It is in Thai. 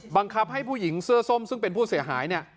บังคับให้ผู้หญิงเสื้อส้มซึ่งเป็นผู้เสียหายเนี่ย